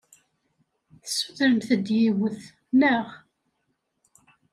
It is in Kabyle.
Tessutremt-d yiwet, naɣ?